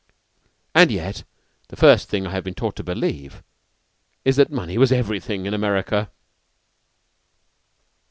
And yet the first thing I have been taught to believe is that money was everything in America!